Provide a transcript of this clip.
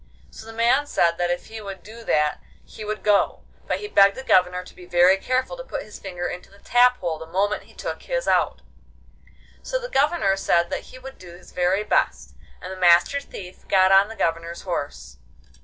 So the man said that if he would do that he would go, but he begged the Governor to be very careful to put his finger into the tap hole the moment he took his out. So the Governor said that he would do his very best, and the Master Thief got on the Governor's horse.